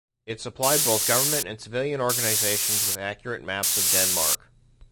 It supplied both government and civilian organizations with accurate maps of Denmark.